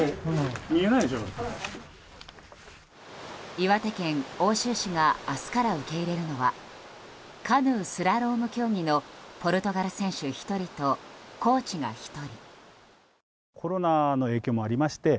岩手県奥州市が明日から受け入れるのはカヌー・スラローム競技のポルトガル選手１人とコーチが１人。